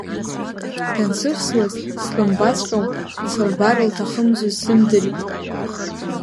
Дансывсуаз слымбаҵәҟьоу, сылбар лҭахымзу сзымдырит.